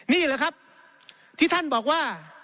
นี่แหละครับที่ท่านบอกว่า